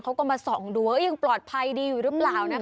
เขาก็มาส่องดูว่ายังปลอดภัยดีอยู่หรือเปล่านะคะ